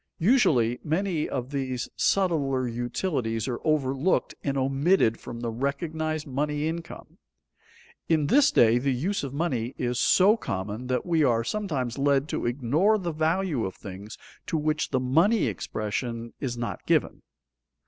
Usually many of these subtler utilities are overlooked and omitted from the recognized money income. In this day the use of money is so common that we are sometimes led to ignore the value of things to which the money expression is not given.